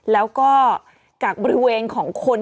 แล้วก็จากบริเวณของคน